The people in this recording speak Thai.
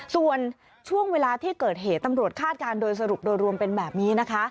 ส่วนช่วงเวลาที่เกิดเหตุตำรวจคาดการณ์โดยสรุปโดยรวมเป็นแบบนี้นะคะ